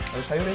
lalu sayur ini